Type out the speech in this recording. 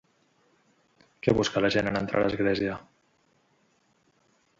Què busca la gent en entrar a l'església?